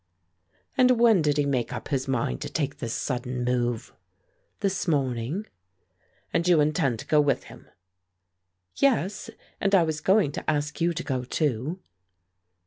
"And when did he make up his mind to take this sudden move?" "This morning." "And you intend to go with him?" "Yes, and I was going to ask you to go, too."